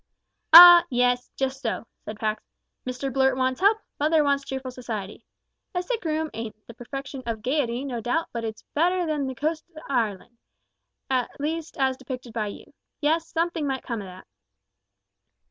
"Ah yes just so," said Pax; "Mr Blurt wants help; mother wants cheerful society. A sick room ain't the perfection of gaiety, no doubt, but it's better than the west coast of Ireland at least as depicted by you. Yes, somethin' might come o' that."